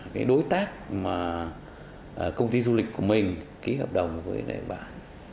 cái đối tác mà công ty du lịch của mình ký hợp đồng với bạn